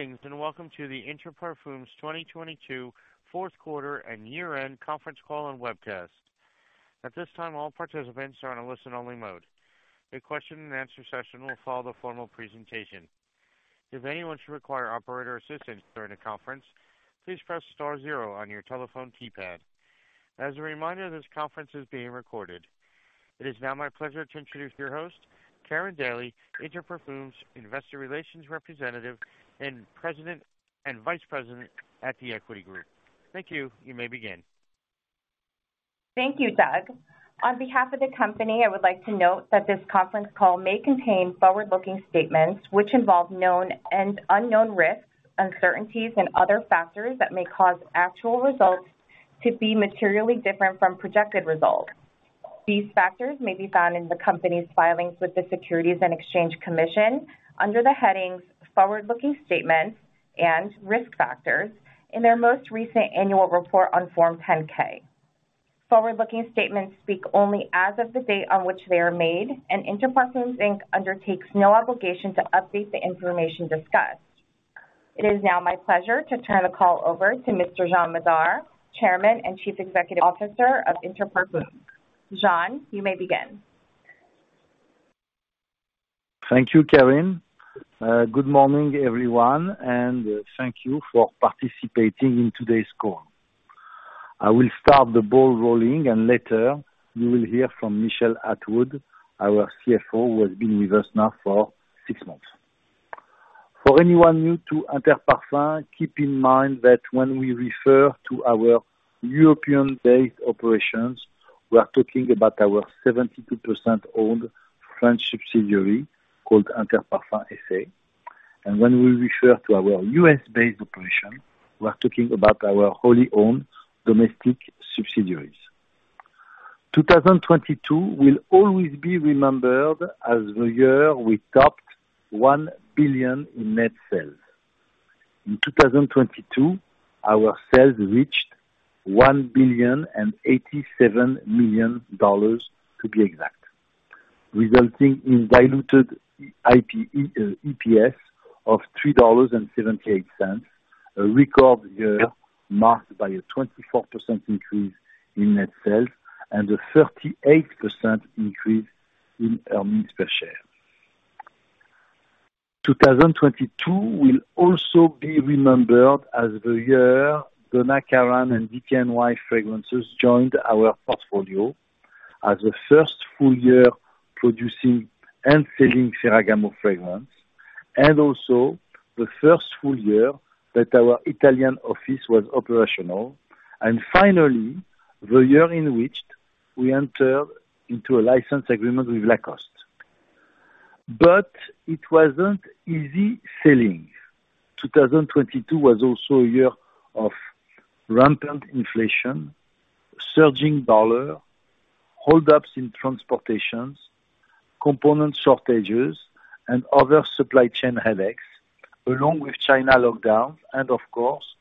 Good evening, welcome to the Inter Parfums 2022 fourth quarter and year-end conference call and webcast. At this time, all participants are on a listen-only mode. A question and answer session will follow the formal presentation. If anyone should require operator assistance during the conference, please press star zero on your telephone keypad. As a reminder, this conference is being recorded. It is now my pleasure to introduce your host, Karin Daly, Inter Parfums investor relations representative and President and Vice President at The Equity Group. Thank you. You may begin. Thank you, Doug. On behalf of the company, I would like to note that this conference call may contain forward-looking statements which involve known and unknown risks, uncertainties and other factors that may cause actual results to be materially different from projected results. These factors may be found in the company's filings with the Securities and Exchange Commission under the headings Forward-Looking Statements and Risk Factors in their most recent annual report on Form 10-K. Forward-looking statements speak only as of the date on which they are made, and Inter Parfums, Inc. undertakes no obligation to update the information discussed. It is now my pleasure to turn the call over to Mr. Jean Madar, Chairman and Chief Executive Officer of Inter Parfums. Jean, you may begin. Thank you, Karin. Good morning, everyone, and thank you for participating in today's call. I will start the ball rolling, and later you will hear from Michel Atwood, our CFO, who has been with us now for 6 months. For anyone new to Inter Parfums, keep in mind that when we refer to our European-based operations, we are talking about our 72% owned French subsidiary called Inter Parfums SA. When we refer to our U.S.-based operation, we're talking about our wholly owned domestic subsidiaries. 2022 will always be remembered as the year we topped $1 billion in net sales. In 2022, our sales reached $1.087 billion to be exact, resulting in diluted EPS of $3.78, a record year marked by a 24% increase in net sales and a 38% increase in earnings per share. 2022 will also be remembered as the year Donna Karan and DKNY Fragrances joined our portfolio as the first full year producing and selling Ferragamo fragrance, and also the first full year that our Italian office was operational. Finally, the year in which we entered into a license agreement with Lacoste. It wasn't easy sailing. 2020 was also a year of rampant inflation, surging dollar, hold ups in transportations, component shortages and other supply chain headaches, along with China lockdowns and of course,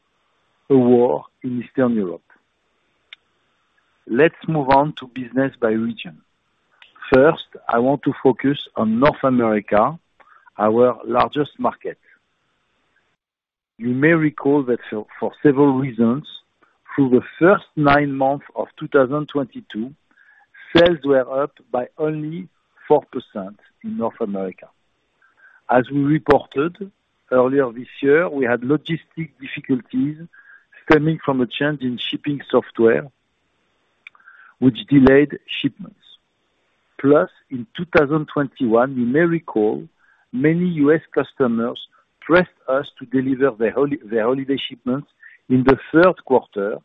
a war in Eastern Europe. Let's move on to business by region. First, I want to focus on North America, our largest market. You may recall that for several reasons, through the first nine months of 2022, sales were up by only 4% in North America. As we reported earlier this year, we had logistic difficulties stemming from a change in shipping software which delayed shipments. Plus, in 2021, you may recall many U.S. customers pressed us to deliver their holiday shipments in the third quarter,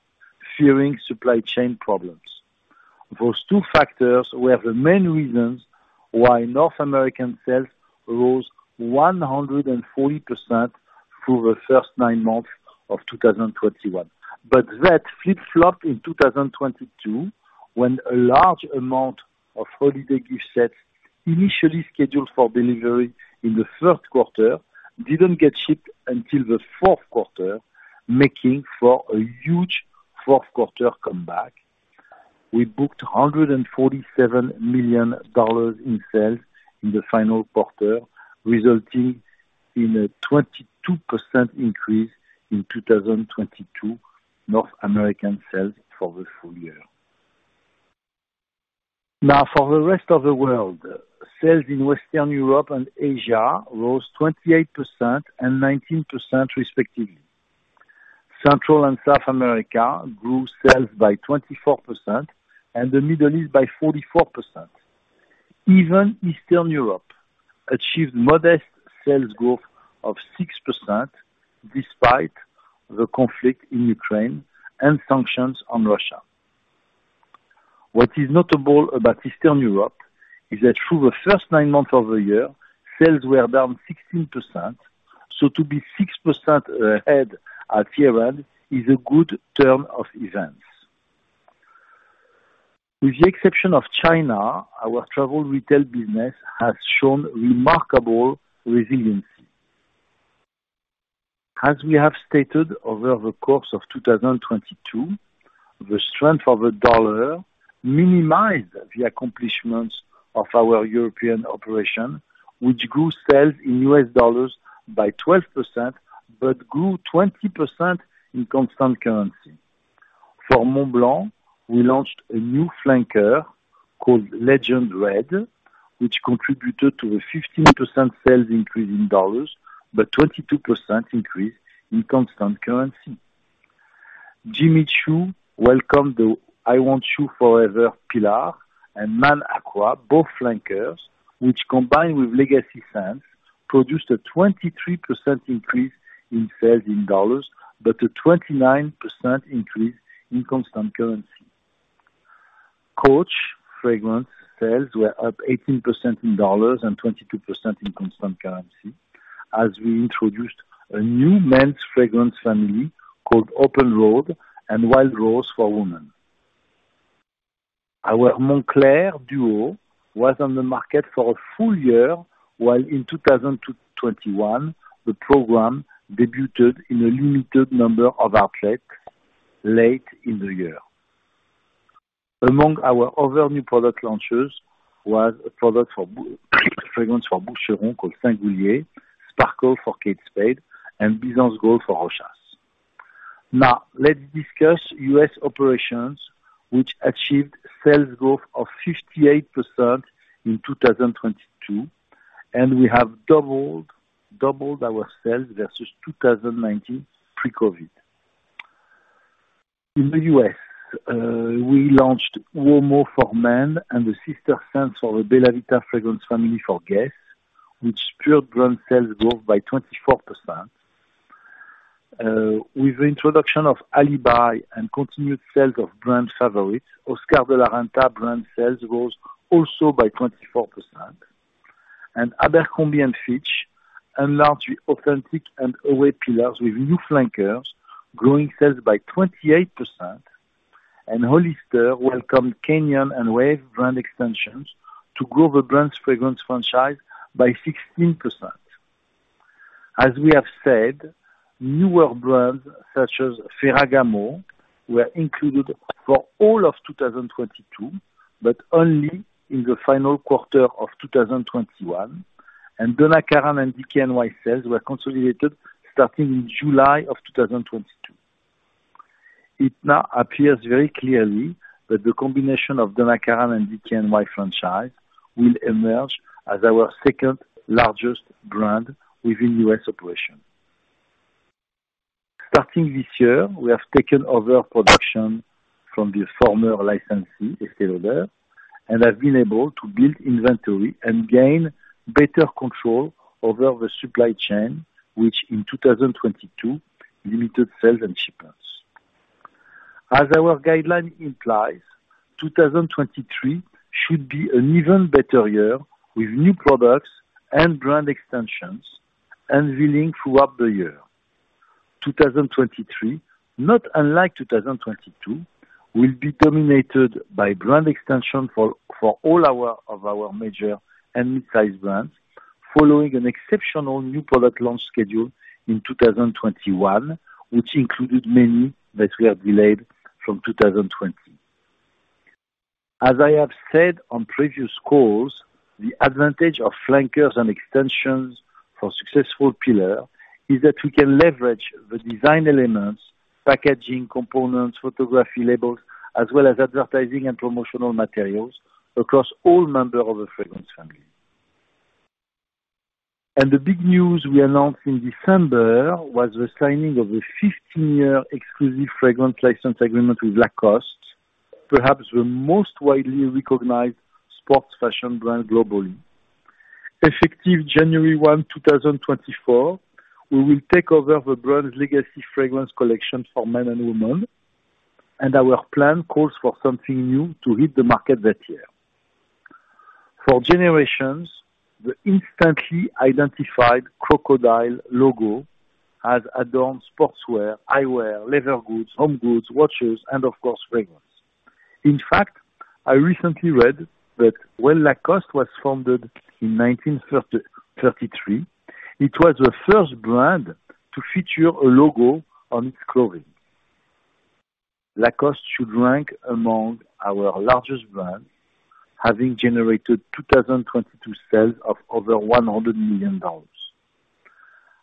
fearing supply chain problems. Those two factors were the main reasons why North American sales rose 140% through the first nine months of 2021. That flip-flopped in 2022, when a large amount of holiday gift sets initially scheduled for delivery in the third quarter didn't get shipped until the fourth quarter, making for a huge fourth quarter comeback. We booked $147 million in sales in the final quarter, resulting in a 22% increase in 2022 North American sales for the full year. For the rest of the world. Sales in Western Europe and Asia rose 28% and 19%, respectively. Central and South America grew sales by 24% and the Middle East by 44%. Even Eastern Europe achieved modest sales growth of 6%, despite the conflict in Ukraine and sanctions on Russia. What is notable about Eastern Europe is that through the first nine months of the year, sales were down 16%. To be 6% ahead at year-end is a good turn of events. With the exception of China, our travel retail business has shown remarkable resiliency. As we have stated over the course of 2022. The strength of the dollar minimized the accomplishments of our European operation, which grew sales in U.S. dollars by 12%, but grew 20% in constant currency. For Montblanc, we launched a new flanker called Legend Red, which contributed to a 15% sales increase in dollars, but 22% increase in constant currency. Jimmy Choo welcomed the I Want Choo Forever pillar and Man Aqua, both flankers, which combined with legacy scents, produced a 23% increase in sales in dollars, but a 29% increase in constant currency. Coach fragrance sales were up 18% in dollars and 22% in constant currency as we introduced a new men's fragrance family called Open Road and Wild Rose for women. Our Moncler duo was on the market for a full year, while in 2021, the program debuted in a limited number of outlets late in the year. Among our other new product launches was fragrance for Boucheron called Singulier, Sparkle for Kate Spade, and Byzance Gold for Rochas. Let's discuss U.S. operations, which achieved sales growth of 58% in 2022, we have doubled our sales versus 2019 pre-COVID. In the U.S., we launched Uomo for men and the sister scents for the Bella Vita fragrance family for GUESS, which spurred brand sales growth by 24%. With the introduction of Alibi and continued sales of brand favorites, Oscar de la Renta brand sales rose also by 24%. Abercrombie & Fitch enlarged the Authentic and Away pillars with new flankers, growing sales by 28%. Hollister welcomed Canyon and Wave brand extensions to grow the brand's fragrance franchise by 16%. As we have said, newer brands, such as Ferragamo, were included for all of 2022, but only in the final quarter of 2021. Donna Karan and DKNY sales were consolidated starting in July of 2022. It now appears very clearly that the combination of Donna Karan and DKNY franchise will emerge as our second-largest brand within U.S. operations. Starting this year, we have taken over production from the former licensee, Estée Lauder, and have been able to build inventory and gain better control over the supply chain, which in 2022, limited sales and shipments. As our guideline implies, 2023 should be an even better year with new products and brand extensions unveiling throughout the year. 2023, not unlike 2022, will be dominated by brand extension for all of our major and mid-sized brands, following an exceptional new product launch schedule in 2021, which included many that we have delayed from 2020. As I have said on previous calls, the advantage of flankers and extensions for successful pillar is that we can leverage the design elements, packaging, components, photography labels, as well as advertising and promotional materials across all members of the fragrance family. The big news we announced in December was the signing of a 15-year exclusive fragrance license agreement with Lacoste, perhaps the most widely recognized sports fashion brand globally. Effective January 1, 2024, we will take over the brand's legacy fragrance collection for men and women. Our plan calls for something new to hit the market that year. For generations, the instantly identified crocodile logo has adorned sportswear, eyewear, leather goods, home goods, watches, and of course, fragrance. In fact, I recently read that when Lacoste was founded in 1933, it was the first brand to feature a logo on its clothing. Lacoste should rank among our largest brands, having generated 2022 sales of over $100 million.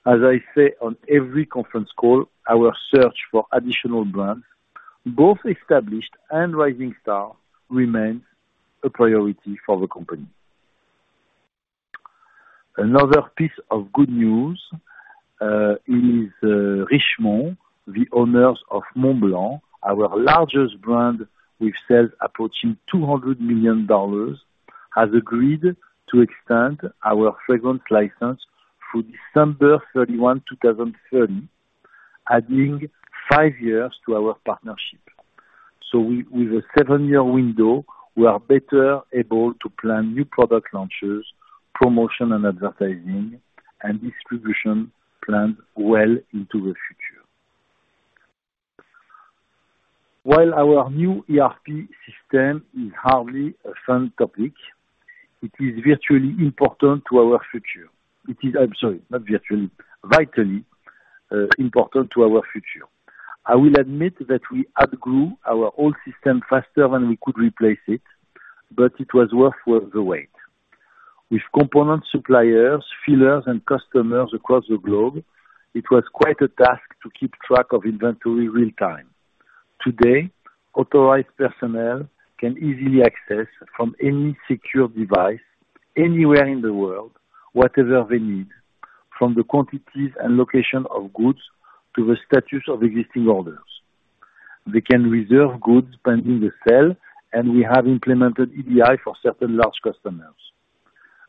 As I say on every conference call, our search for additional brands, both established and rising star, remains a priority for the company. Another piece of good news is Richemont, the owners of Montblanc, our largest brand, with sales approaching $200 million, has agreed to extend our fragrance license through December 31, 2030, adding five years to our partnership. With a seven-year window, we are better able to plan new product launches, promotion and advertising, and distribution plans well into the future. While our new ERP system is hardly a fun topic, it is virtually important to our future. I'm sorry, not virtually, vitally important to our future. I will admit that we outgrew our old system faster than we could replace it, but it was worth the wait. With component suppliers, fillers, and customers across the globe, it was quite a task to keep track of inventory real-time. Today, authorized personnel can easily access from any secure device anywhere in the world, whatever they need, from the quantities and location of goods to the status of existing orders. They can reserve goods pending the sale, and we have implemented EDI for certain large customers.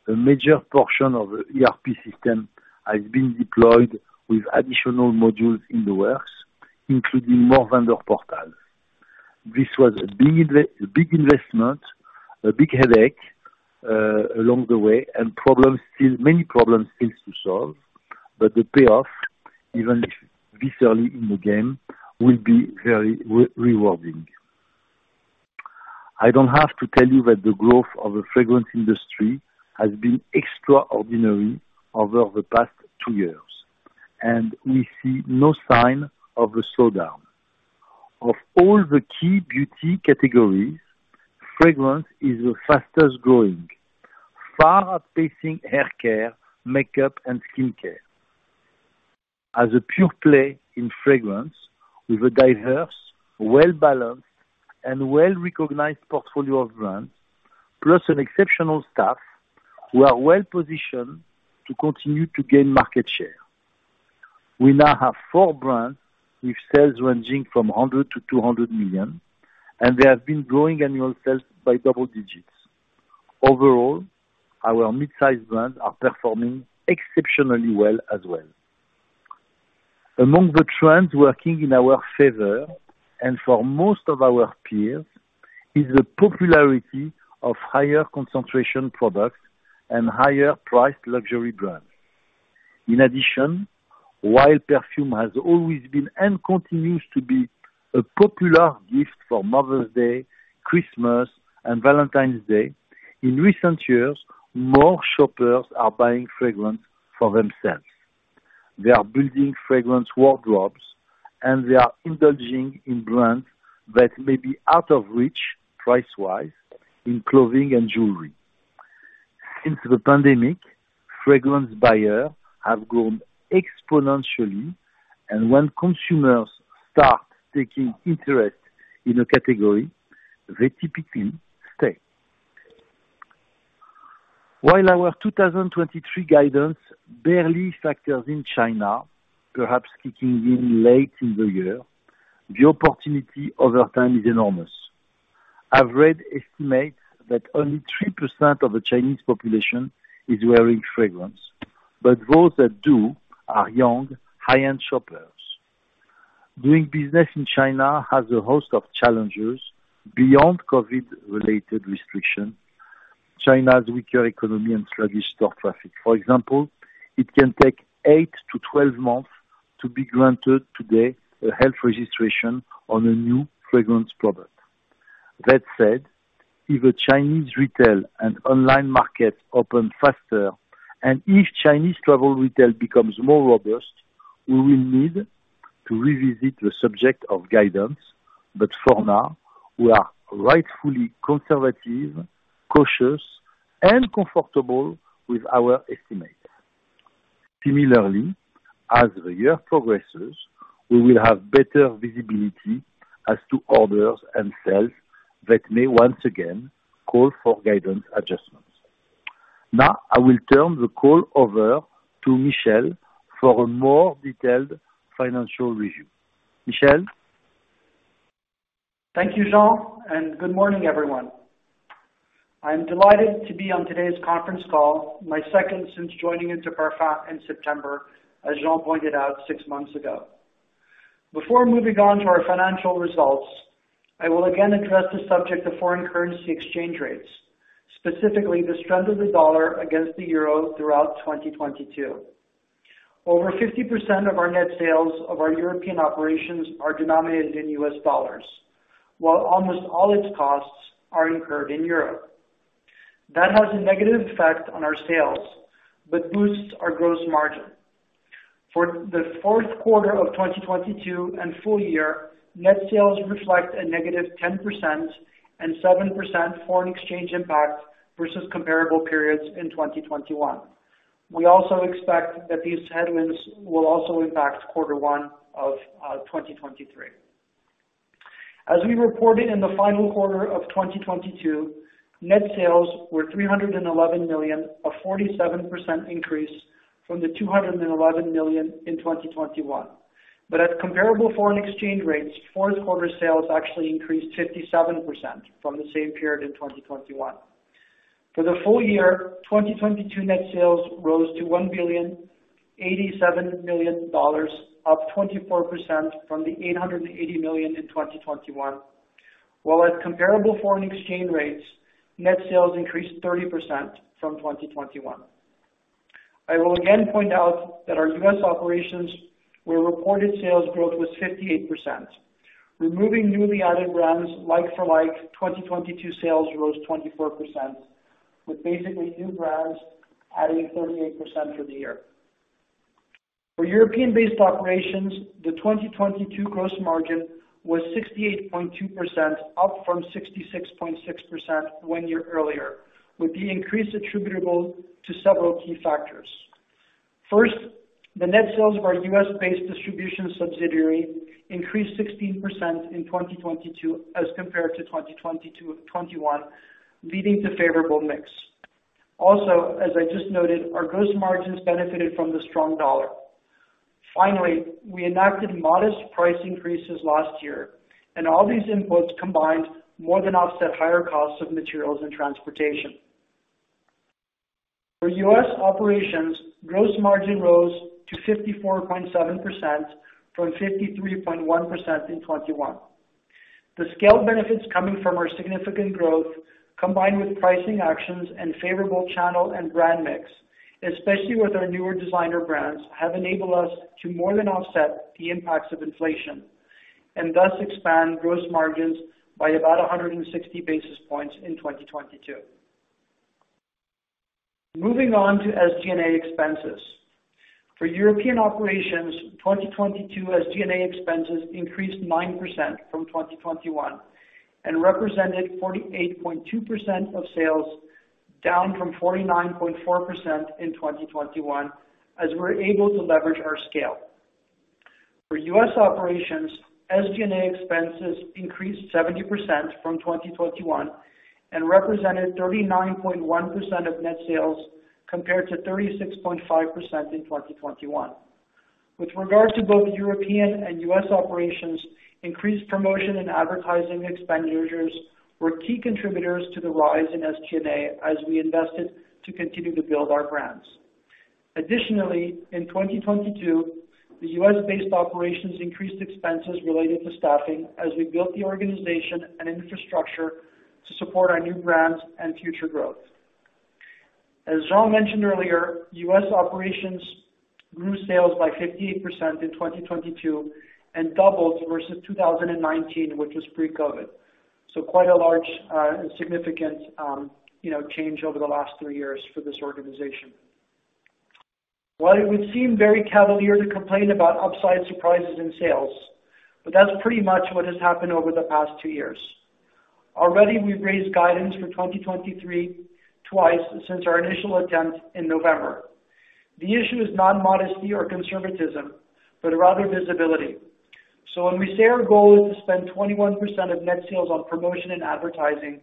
A major portion of the ERP system has been deployed with additional modules in the works, including more vendor portals. This was a big investment, a big headache along the way, and many problems still to solve, but the payoff, even if viscerally in the game, will be very rewarding. I don't have to tell you that the growth of the fragrance industry has been extraordinary over the past two years, and we see no sign of a slowdown. Of all the key beauty categories, fragrance is the fastest-growing, far outpacing hair care, makeup, and skin care. As a pure play in fragrance with a diverse, well-balanced, and well-recognized portfolio of brands, plus an exceptional staff, we are well-positioned to continue to gain market share. We now have four brands with sales ranging from $100 million-$200 million, and they have been growing annual sales by double digits. Overall, our midsize brands are performing exceptionally well as well. Among the trends working in our favor, and for most of our peers, is the popularity of higher concentration products and higher-priced luxury brands. In addition, while perfume has always been and continues to be a popular gift for Mother's Day, Christmas, and Valentine's Day, in recent years, more shoppers are buying fragrance for themselves. They are building fragrance wardrobes, and they are indulging in brands that may be out of reach price-wise in clothing and jewelry. Since the pandemic, fragrance buyers have grown exponentially. When consumers start taking interest in a category, they typically stay. While our 2023 guidance barely factors in China, perhaps kicking in late in the year, the opportunity over time is enormous. I've read estimates that only 3% of the Chinese population is wearing fragrance. Those that do are young, high-end shoppers. Doing business in China has a host of challenges beyond COVID-related restrictions, China's weaker economy, and sluggish store traffic. For example, it can take eight to 12 months to be granted today a health registration on a new fragrance product. That said, if the Chinese retail and online markets open faster and if Chinese travel retail becomes more robust, we will need to revisit the subject of guidance. For now, we are rightfully conservative, cautious, and comfortable with our estimates. Similarly, as the year progresses, we will have better visibility as to orders and sales that may once again call for guidance adjustments. Now, I will turn the call over to Michel for a more detailed financial review. Michel? Thank you, Jean, good morning, everyone. I'm delighted to be on today's conference call, my second since joining Inter Parfums in September, as Jean pointed out six months ago. Before moving on to our financial results, I will again address the subject of foreign currency exchange rates, specifically the strength of the dollar against the euro throughout 2022. Over 50% of our net sales of our European operations are denominated in U.S. dollars, while almost all its costs are incurred in Europe. That has a negative effect on our sales but boosts our gross margin. For the fourth quarter of 2022 and full year, net sales reflect a -10% and 7% foreign exchange impact versus comparable periods in 2021. We also expect that these headwinds will also impact quarter one of 2023. As we reported in the final quarter of 2022, net sales were $311 million, a 47% increase from the $211 million in 2021. At comparable foreign exchange rates, fourth quarter sales actually increased 57% from the same period in 2021. For the full year, 2022 net sales rose to $1,087 million, up 24% from the $880 million in 2021, while at comparable foreign exchange rates, net sales increased 30% from 2021. I will again point out that our U.S. operations where reported sales growth was 58%. Removing newly added brands like for like, 2022 sales rose 24%, with basically new brands adding 38% for the year. For European-based operations, the 2022 gross margin was 68.2%, up from 66.6% one year earlier, with the increase attributable to several key factors. First, the net sales of our U.S.-based distribution subsidiary increased 16% in 2022 as compared to 2021, leading to favorable mix. Also, as I just noted, our gross margins benefited from the strong dollar. Finally, we enacted modest price increases last year, All these inputs combined more than offset higher costs of materials and transportation. For U.S. operations, gross margin rose to 54.7% from 53.1% in 2021. The scale benefits coming from our significant growth, combined with pricing actions and favorable channel and brand mix, especially with our newer designer brands, have enabled us to more than offset the impacts of inflation and thus expand gross margins by about 160 basis points in 2022. Moving on to SG&A expenses. For European operations, 2022 SG&A expenses increased 9% from 2021 and represented 48.2% of sales, down from 49.4% in 2021, as we're able to leverage our scale. For U.S. operations, SG&A expenses increased 70% from 2021 and represented 39.1% of net sales, compared to 36.5% in 2021. With regards to both European and U.S. operations, increased promotion and advertising expenditures were key contributors to the rise in SG&A as we invested to continue to build our brands. Additionally, in 2022, the U.S.-based operations increased expenses related to staffing as we built the organization and infrastructure to support our new brands and future growth. As Jean mentioned earlier, U.S. operations grew sales by 58% in 2022 and doubled versus 2019, which was pre-COVID. quite a large, and significant, you know, change over the last three years for this organization. While it would seem very cavalier to complain about upside surprises in sales, but that's pretty much what has happened over the past two years. Already, we've raised guidance for 2023 twice since our initial attempt in November. The issue is not modesty or conservatism, but rather visibility. When we say our goal is to spend 21% of net sales on promotion and advertising,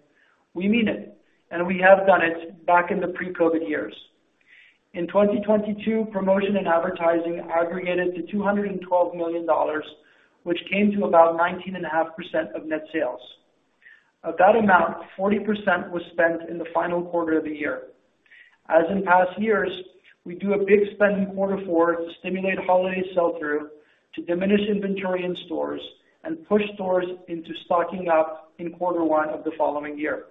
we mean it, and we have done it back in the pre-COVID years. In 2022, promotion and advertising aggregated to $212 million, which came to about 19.5% of net sales. Of that amount, 40% was spent in the final quarter of the year. As in past years, we do a big spend in quarter four to stimulate holiday sell-through, to diminish inventory in stores, and push stores into stocking up in quarter one of the following year.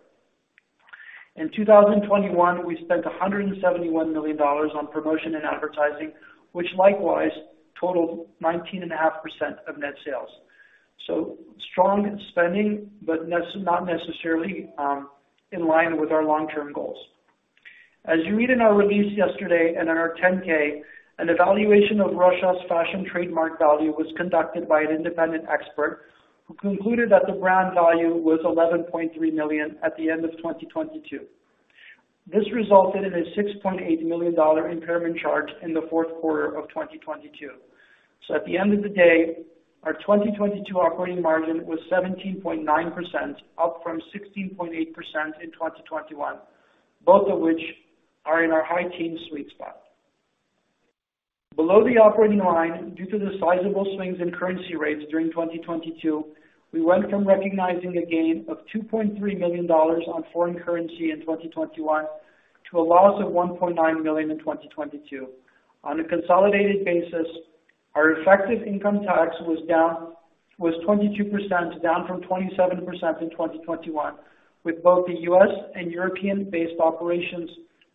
In 2021, we spent $171 million on promotion and advertising, which likewise totaled 19.5% of net sales. Strong spending, but not necessarily in line with our long-term goals. As you read in our release yesterday and in our 10-K, an evaluation of Rochas fashion trademark value was conducted by an independent expert who concluded that the brand value was $11.3 million at the end of 2022. This resulted in a $6.8 million impairment charge in the fourth quarter of 2022. At the end of the day, our 2022 operating margin was 17.9%, up from 16.8% in 2021, both of which are in our high teen sweet spot. Below the operating line, due to the sizable swings in currency rates during 2022, we went from recognizing a gain of $2.3 million on foreign currency in 2021 to a loss of $1.9 million in 2022. On a consolidated basis, our effective income tax was 22%, down from 27% in 2021, with both the U.S. and European-based operations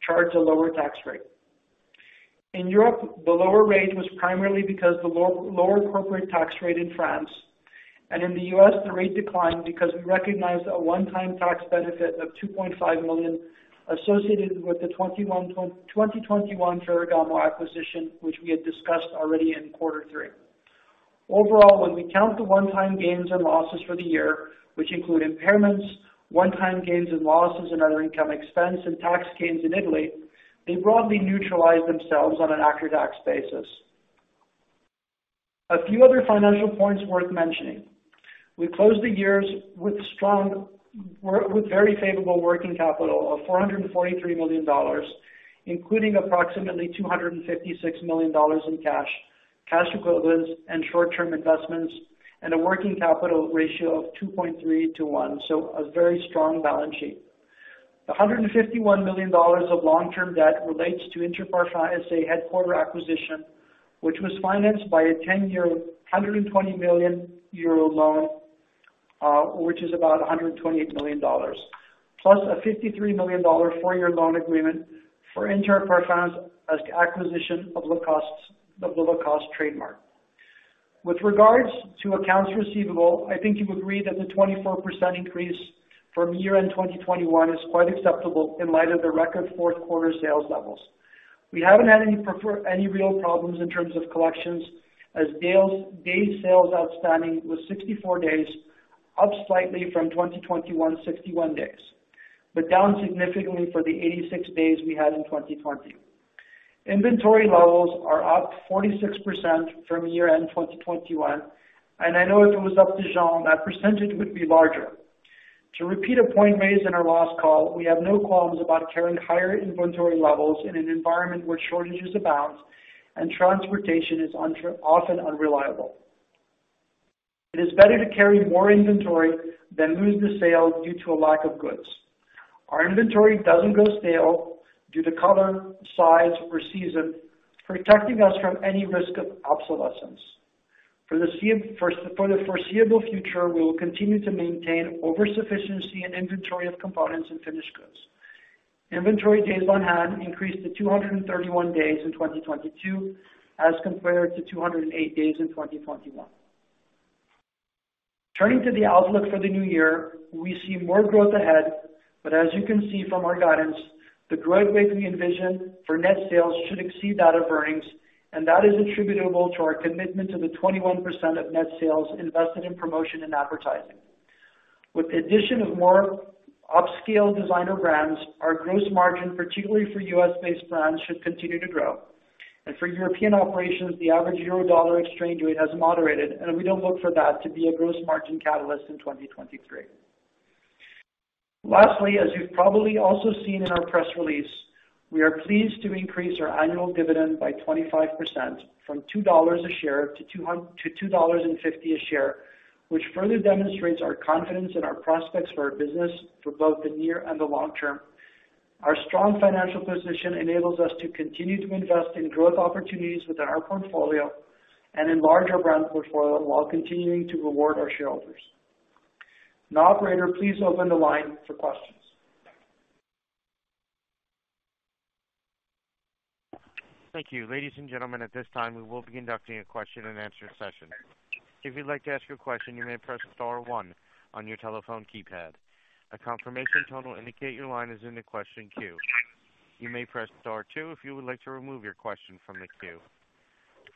charged a lower tax rate. In Europe, the lower rate was primarily because the lower corporate tax rate in France, in the U.S., the rate declined because we recognized a one-time tax benefit of $2.5 million associated with the 2021 Ferragamo acquisition, which we had discussed already in quarter three. Overall, when we count the one-time gains and losses for the year, which include impairments, one-time gains and losses, and other income expense and tax gains in Italy, they broadly neutralize themselves on an after-tax basis. A few other financial points worth mentioning. We closed the years with strong... With very favorable working capital of $443 million, including approximately $256 million in cash equivalents, and short-term investments, and a working capital ratio of 2.3 to 1. A very strong balance sheet. $151 million of long-term debt relates to Inter Parfums SA headquarter acquisition, which was financed by a ten-year, 120 million euro loan. Which is about $128 million, plus a $53 million four-year loan agreement for Inter Parfums as acquisition of the Lacoste trademark. With regards to accounts receivable, I think you would agree that the 24% increase from year-end 2021 is quite acceptable in light of the record fourth quarter sales levels. We haven't had any real problems in terms of collections as days sales outstanding was 64 days, up slightly from 2021, 61 days. Down significantly for the 86 days we had in 2020. Inventory levels are up 46% from year-end 2021, and I know if it was up to Jean, that percentage would be larger. To repeat a point raised in our last call, we have no qualms about carrying higher inventory levels in an environment where shortages abound and transportation is often unreliable. It is better to carry more inventory than lose the sale due to a lack of goods. Our inventory doesn't go stale due to color, size or season, protecting us from any risk of obsolescence. For the foreseeable future, we will continue to maintain over-sufficiency in inventory of components and finished goods. Inventory days on hand increased to 231 days in 2022, as compared to 208 days in 2021. Turning to the outlook for the new year, we see more growth ahead, but as you can see from our guidance, the growth rate we envision for net sales should exceed that of earnings, and that is attributable to our commitment to the 21% of net sales invested in promotion and advertising. With the addition of more upscale designer brands, our gross margin, particularly for U.S.-based brands, should continue to grow. For European operations, the average euro-dollar exchange rate has moderated, and we don't look for that to be a gross margin catalyst in 2023. Lastly, as you've probably also seen in our press release, we are pleased to increase our annual dividend by 25% from $2 a share to $2.50 a share, which further demonstrates our confidence in our prospects for our business for both the near and the long term. Our strong financial position enables us to continue to invest in growth opportunities within our portfolio and enlarge our brand portfolio while continuing to reward our shareholders. Operator, please open the line for questions. Thank you. Ladies and gentlemen, at this time, we will be conducting a question-and-answer session. If you'd like to ask a question, you may press star one on your telephone keypad. A confirmation tone will indicate your line is in the question queue. You may press star two if you would like to remove your question from the queue.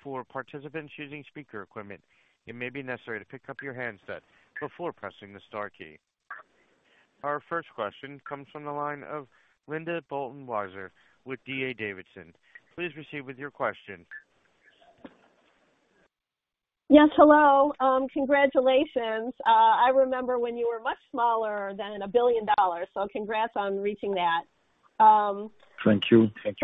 For participants using speaker equipment, it may be necessary to pick up your handset before pressing the star key. Our first question comes from the line of Linda Bolton Weiser with D.A. Davidson. Please proceed with your question. Yes, hello. Congratulations. I remember when you were much smaller than $1 billion, so congrats on reaching that. Thank you. Can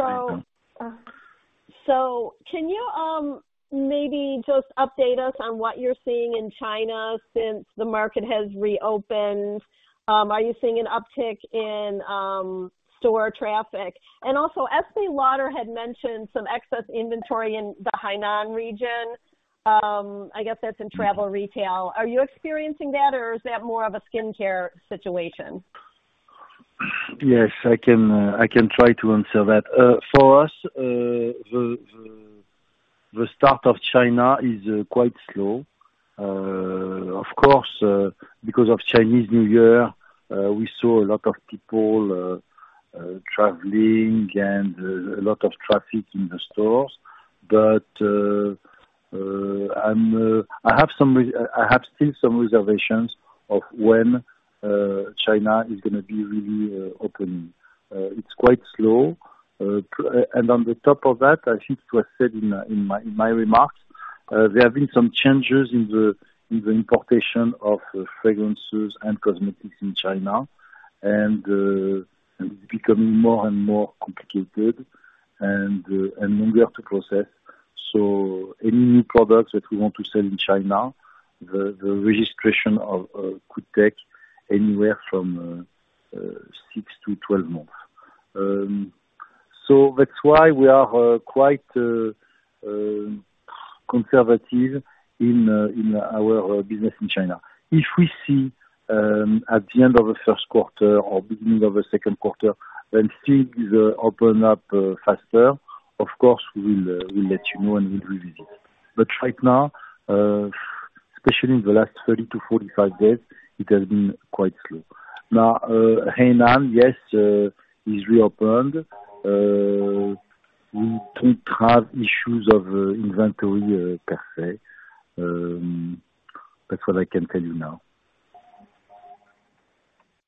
you maybe just update us on what you're seeing in China since the market has reopened? Are you seeing an uptick in store traffic? Estée Lauder had mentioned some excess inventory in the Hainan region. I guess that's in travel retail. Are you experiencing that, or is that more of a skincare situation? Yes, I can try to answer that. For us, the start of China is quite slow. Of course, because of Chinese New Year, we saw a lot of people traveling and a lot of traffic in the stores. I still have some reservations of when China is gonna be really open. It's quite slow. On the top of that, I think it was said in my remarks, there have been some changes in the importation of fragrances and cosmetics in China, and it's becoming more and more complicated and longer to process. Any new products that we want to sell in China, the registration of, could take anywhere from six to 12 months. That's why we are quite conservative in our business in China. If we see at the end of the first quarter or beginning of the second quarter that things open up faster, of course, we will let you know, and we'll revisit. Right now, especially in the last 30 to 45 days, it has been quite slow. Hainan, yes, is reopened. We don't have issues of inventory per se. That's what I can tell you now.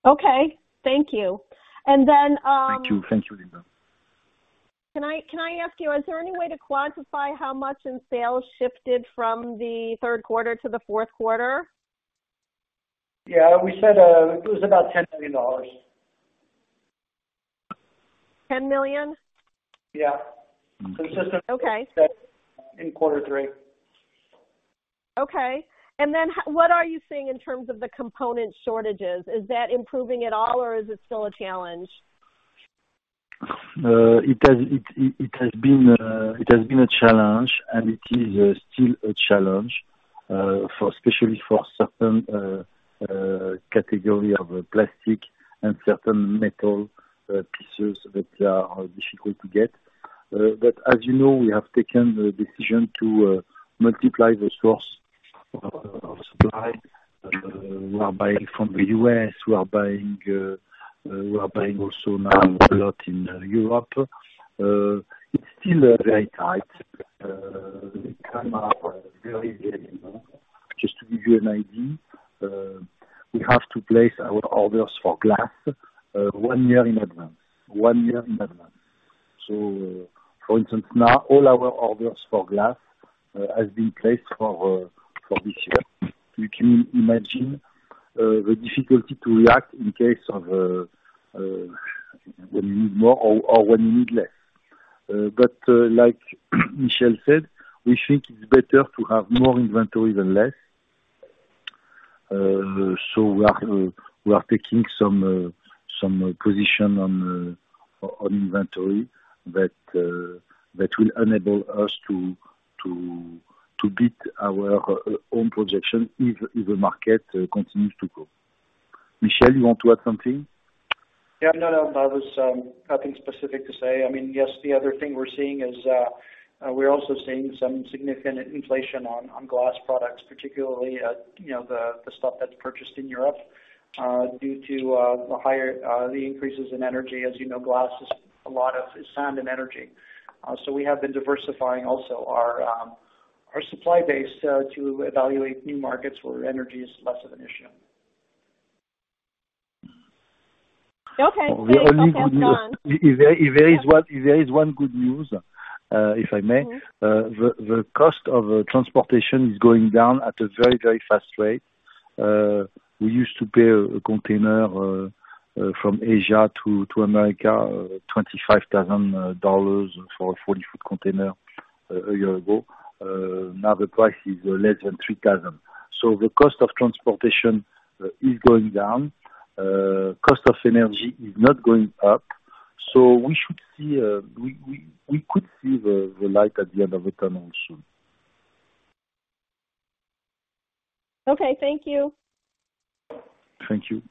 Okay. Thank you. Then, Thank you. Thank you, Linda. Can I ask you, is there any way to quantify how much in sales shifted from the third quarter to the fourth quarter? Yeah. We said it was about $10 million. $10 million? Yeah. Okay. -with in quarter 3. Okay. Then what are you seeing in terms of the component shortages? Is that improving at all, or is it still a challenge? It has been a challenge and it is still a challenge for especially for certain category of plastic and certain metal pieces that are difficult to get. But as you know, we have taken the decision to multiply the source of supply. We are buying from the U.S., we are buying also now a lot in Europe. It's still very tight. We come up very long. Just to give you an idea, we have to place our orders for glass 1 year in advance. 1 year in advance. For instance, now all our orders for glass has been placed for this year. You can imagine the difficulty to react in case of when you need more or when you need less. Like Michel said, we think it's better to have more inventory than less. We are taking some position on inventory that will enable us to beat our own projection if the market continues to grow. Michel, you want to add something? No, no. I was nothing specific to say. I mean, yes, the other thing we're seeing is we're also seeing some significant inflation on glass products, particularly at, you know, the stuff that's purchased in Europe, due to the higher increases in energy. As you know, glass is a lot of sand and energy. So we have been diversifying also our supply base to evaluate new markets where energy is less of an issue. Okay. The only good news. Okay, I'm done. If there is one good news, if I may. Mm-hmm. The cost of transportation is going down at a very, very fast rate. We used to pay a container from Asia to America, $25,000 for a 40-ft container a year ago. Now the price is less than $3,000. The cost of transportation is going down. Cost of energy is not going up. We should see, we could see the light at the end of the tunnel soon. Okay. Thank you. Thank you.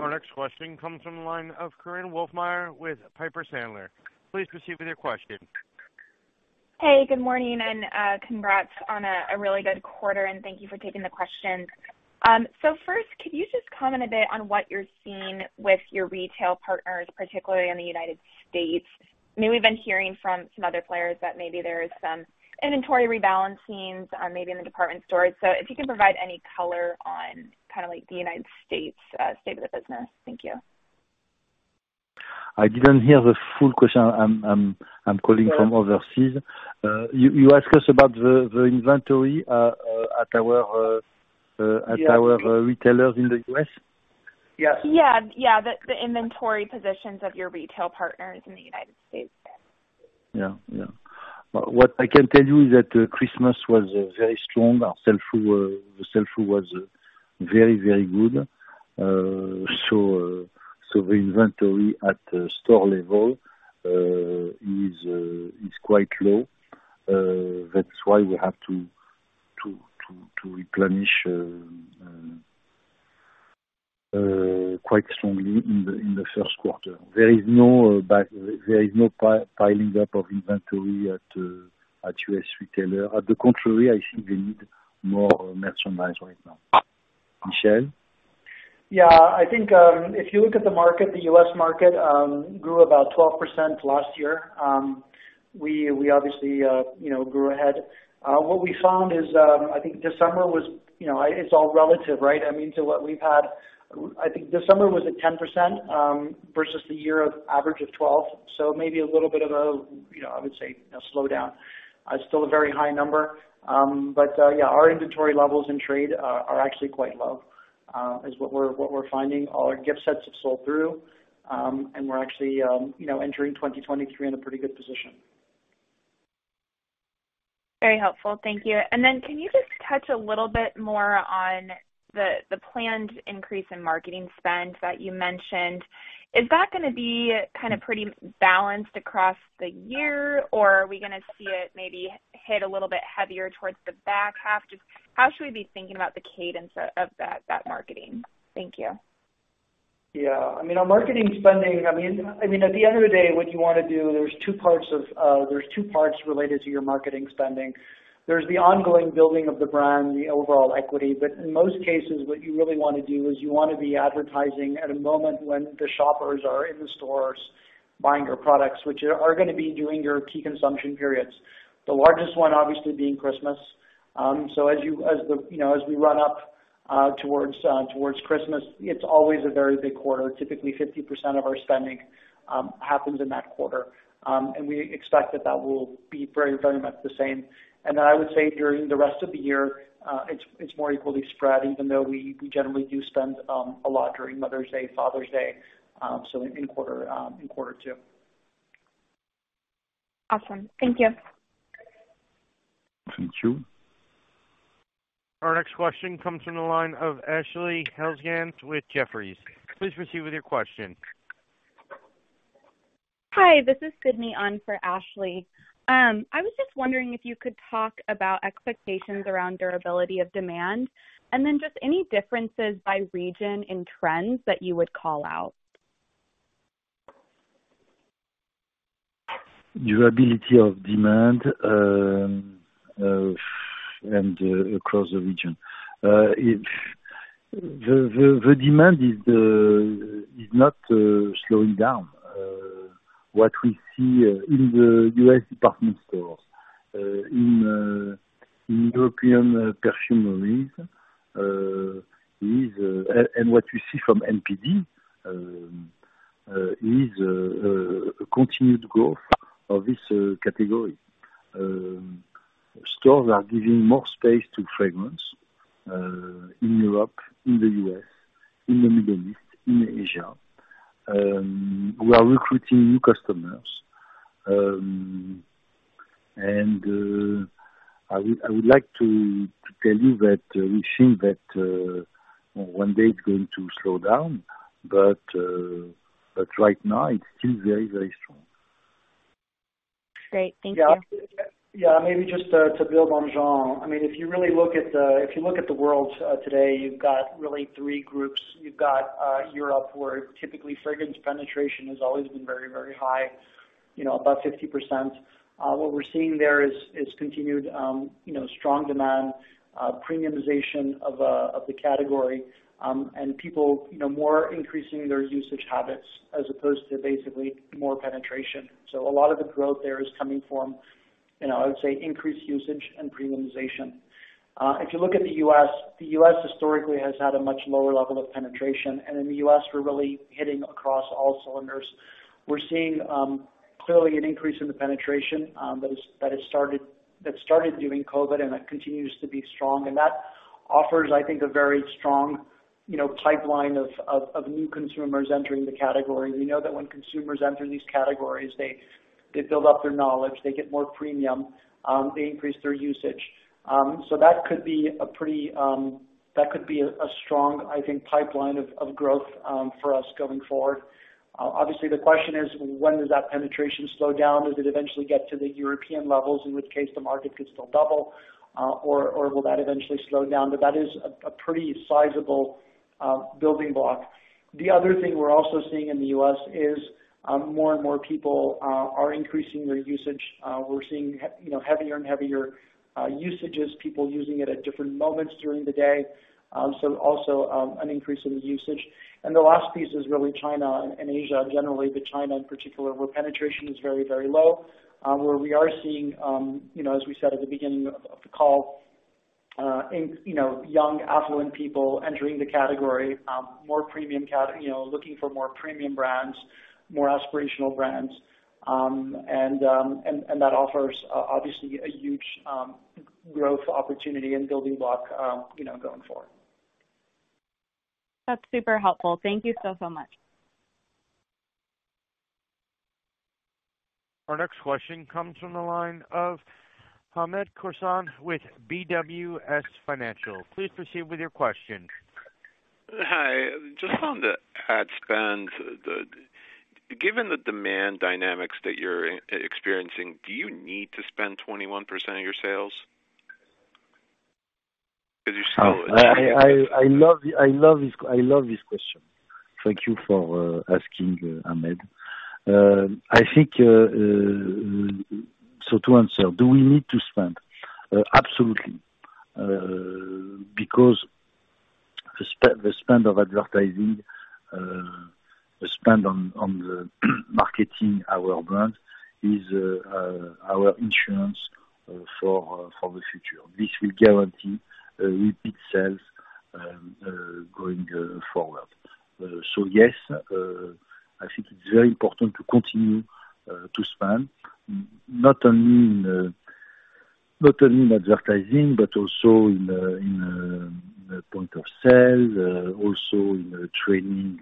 Our next question comes from the line of Korinne Wolfmeyer with Piper Sandler. Please proceed with your question. Good morning and congrats on a really good quarter. Thank you for taking the questions. First, could you just comment a bit on what you're seeing with your retail partners, particularly in the United States? I mean, we've been hearing from some other players that maybe there is some inventory rebalancing, maybe in the department stores. If you can provide any color on kinda like the United States, state of the business. Thank you. I didn't hear the full question. I'm calling from overseas. You asked us about the inventory at our. Yes. At our retailers in the U.S.? Yes. Yeah. Yeah. The inventory positions of your retail partners in the United States. Yeah. Yeah. What I can tell you is that Christmas was very strong. Our sell-through, the sell-through was very, very good. So the inventory at store level is quite low. That's why we have to replenish quite strongly in the first quarter. There is no piling up of inventory at U.S. retailer. At the contrary, I think they need more merchandise right now. Michel? I think, if you look at the market, the U.S. market, grew about 12% last year. We obviously, you know, grew ahead. What we found is, I think December was, you know, it's all relative, right? I mean, to what we've had. I think December was at 10%, versus the year of average of 12%. Maybe a little bit of a, you know, I would say a slowdown. It's still a very high number. Yeah, our inventory levels in trade, are actually quite low, is what we're, what we're finding. Our gift sets have sold through, and we're actually, you know, entering 2023 in a pretty good position. Very helpful. Thank you. Can you just touch a little bit more on the planned increase in marketing spend that you mentioned? Is that gonna be kinda pretty balanced across the year, or are we gonna see it maybe hit a little bit heavier towards the back half? Just how should we be thinking about the cadence of that marketing? Thank you. Yeah. I mean, our marketing spending, I mean, at the end of the day, what you wanna do, there's two parts of, there's two parts related to your marketing spending. There's the ongoing building of the brand, the overall equity. In most cases, what you really wanna do is you wanna be advertising at a moment when the shoppers are in the stores buying your products, which are gonna be during your key consumption periods. The largest one obviously being Christmas. As you, as the, you know, as we run up towards Christmas, it's always a very big quarter. Typically, 50% of our spending happens in that quarter. We expect that that will be very, very much the same. I would say during the rest of the year, it's more equally spread, even though we generally do spend a lot during Mother's Day, Father's Day, so in quarter 2. Awesome. Thank you. Thank you. Our next question comes from the line of Ashley Helgans with Jefferies. Please proceed with your question. Hi, this is Sydney on for Ashley. I was just wondering if you could talk about expectations around durability of demand and then just any differences by region and trends that you would call out? Durability of demand, across the region. The demand is not slowing down. What we see in the US department stores, in European perfumeries, is and what we see from NPD, is a continued growth of this category. Stores are giving more space to fragrance, in Europe, in the U.S., in the Middle East, in Asia. We are recruiting new customers. I would like to tell you that we think that one day it's going to slow down, but right now it's still very, very strong. Great. Thank you. Yeah. Yeah. Maybe just to build on Jean. I mean, if you really look at, if you look at the world today, you've got really three groups. You've got Europe, where typically fragrance penetration has always been very, very high, you know, about 50%. What we're seeing there is continued, you know, strong demand, premiumization of the category, and people, you know, more increasing their usage habits as opposed to basically more penetration. A lot of the growth there is coming from, you know, I would say increased usage and premiumization. If you look at the U.S., the U.S. historically has had a much lower level of penetration. In the U.S., we're really hitting across all cylinders. We're seeing clearly an increase in the penetration that started during COVID and that continues to be strong. That offers, I think, a very strong, you know, pipeline of new consumers entering the category. We know that when consumers enter these categories, they build up their knowledge, they get more premium, they increase their usage. That could be a strong, I think, pipeline of growth for us going forward. Obviously the question is when does that penetration slow down? Does it eventually get to the European levels, in which case the market could still double, or will that eventually slow down? That is a pretty sizable building block. The other thing we're also seeing in the U.S. is more and more people are increasing their usage. We're seeing you know, heavier and heavier usages, people using it at different moments during the day. Also, an increase in the usage. The last piece is really China and Asia generally, but China in particular, where penetration is very, very low, where we are seeing, you know, as we said at the beginning of the call, in, you know, young affluent people entering the category, more premium you know, looking for more premium brands, more aspirational brands. And that offers obviously a huge growth opportunity and building block, you know, going forward. That's super helpful. Thank you so much. Our next question comes from the line of Hamed Khorsand with BWS Financial. Please proceed with your question. Hi. Just on the ad spend, Given the demand dynamics that you're experiencing, do you need to spend 21% of your sales? Is your scale- I love this question. Thank you for asking Hamed. I think to answer, do we need to spend? Absolutely. Because the spend of advertising, the spend on the marketing our brand is our insurance for the future. This will guarantee repeat sales going forward. Yes, I think it's very important to continue to spend not only in advertising, but also in point of sale, also in training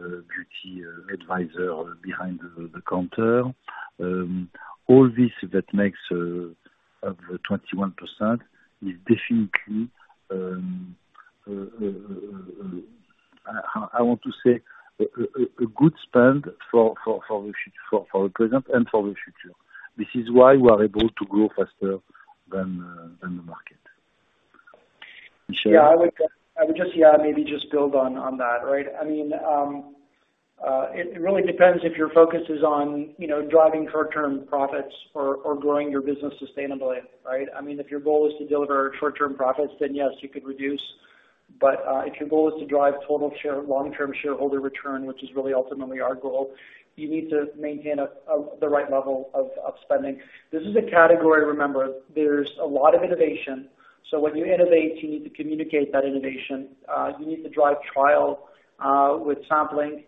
beauty advisor behind the counter. All this that makes of the 21% is definitely a good spend for the present and for the future. This is why we are able to grow faster than the market. Michel? Yeah. I would just, yeah, maybe just build on that, right? I mean, it really depends if your focus is on, you know, driving short-term profits or growing your business sustainably, right? I mean, if your goal is to deliver short-term profits, then yes, you could reduce. If your goal is to drive long-term shareholder return, which is really ultimately our goal, you need to maintain the right level of spending. This is a category, remember, there's a lot of innovation, so when you innovate, you need to communicate that innovation. You need to drive trial with sampling.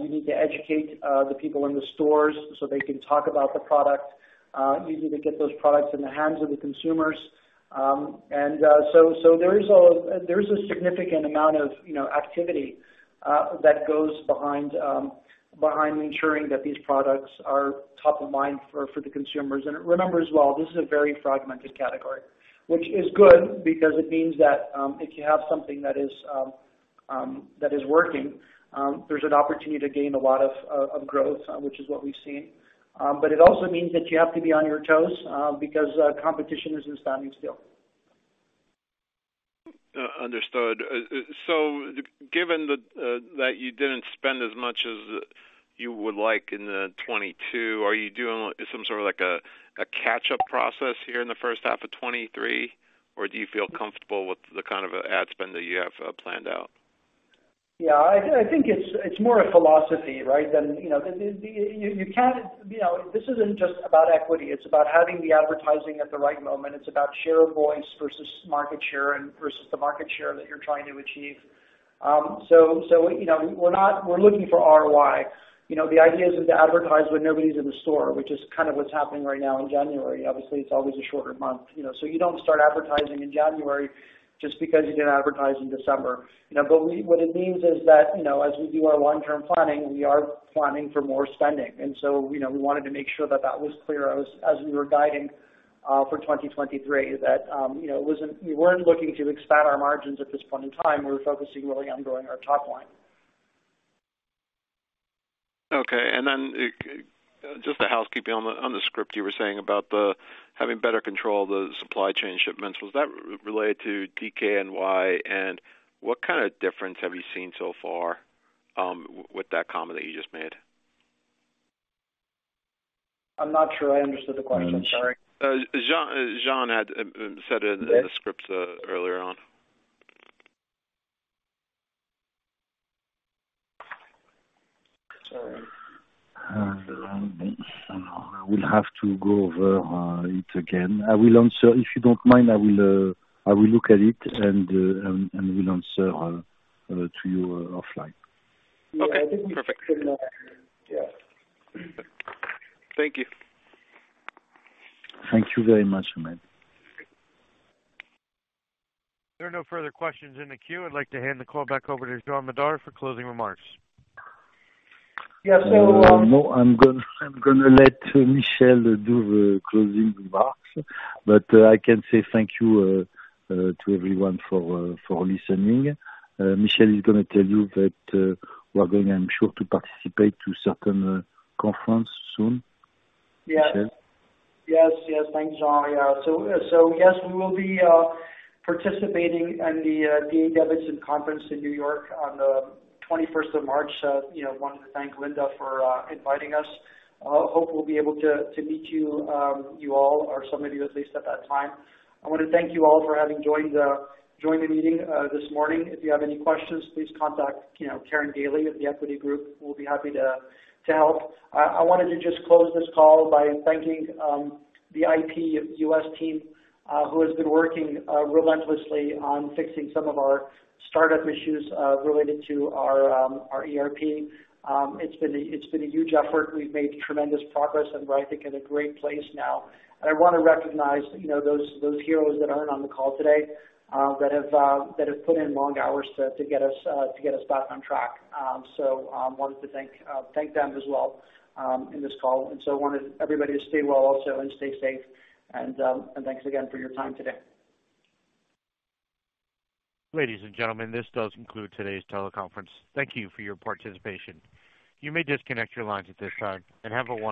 You need to educate the people in the stores so they can talk about the product. You need to get those products in the hands of the consumers. So there is a significant amount of, you know, activity that goes behind ensuring that these products are top of mind for the consumers. Remember as well, this is a very fragmented category, which is good because it means that if you have something that is working, there's an opportunity to gain a lot of growth, which is what we've seen. It also means that you have to be on your toes because competition isn't standing still. Understood. Given that you didn't spend as much as you would like in 2022, are you doing some sort of like a catch-up process here in the first half of 2023, or do you feel comfortable with the kind of ad spend that you have planned out? Yeah, I think it's more a philosophy, right? Than, you know, the. You can't, you know, this isn't just about equity, it's about having the advertising at the right moment. It's about share of voice versus market share and versus the market share that you're trying to achieve. So, you know, we're looking for ROI. You know, the idea isn't to advertise when nobody's in the store, which is kind of what's happening right now in January. Obviously, it's always a shorter month, you know. You don't start advertising in January just because you didn't advertise in December, you know. What it means is that, you know, as we do our long-term planning, we are planning for more spending. You know, we wanted to make sure that that was clear as we were guiding for 2023, that, you know, we weren't looking to expand our margins at this point in time. We're focusing really on growing our top line. Okay. Then, just a housekeeping on the, on the script, you were saying about the having better control of the supply chain shipments. Was that related to DKNY? What kind of difference have you seen so far, with that comment that you just made? I'm not sure I understood the question, sorry. Jean had said it in the script earlier on. Sorry. I will have to go over it again. If you don't mind, I will look at it and will answer to you offline. Okay. Perfect. Yeah. Thank you. Thank you very much, Hamed. There are no further questions in the queue. I'd like to hand the call back over to Jean Madar for closing remarks. Yeah. No, I'm gonna let Michel do the closing remarks. But I can say thank you to everyone for listening. Michel is gonna tell you that we're going, I'm sure, to participate to certain conference soon. Yes. Michel? Yes. Yes. Thanks, Jean. Yeah. Yes, we will be participating in the D.A. Davidson conference in New York on the 21st of March. You know, wanted to thank Linda for inviting us. Hope we'll be able to meet you all or some of you at least at that time. I wanna thank you all for having joined the meeting this morning. If you have any questions, please contact, you know, Karin Daly at The Equity Group. We'll be happy to help. I wanted to just close this call by thanking the IP U.S. team who has been working relentlessly on fixing some of our startup issues related to our ERP. It's been a huge effort. We've made tremendous progress and we're, I think, in a great place now. I wanna recognize, you know, those heroes that aren't on the call today, that have put in long hours to get us back on track. Wanted to thank them as well, in this call. I wanted everybody to stay well also and stay safe. Thanks again for your time today. Ladies and gentlemen, this does conclude today's teleconference. Thank you for your participation. You may disconnect your lines at this time, and have a wonderful day.